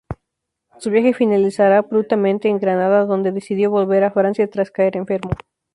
Su viaje finalizará abruptamente en Granada, donde decidió volver a Francia tras caer enfermo.